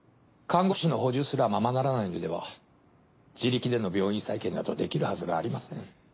看護師の補充すらままならないのでは自力での病院再建などできるはずがありません。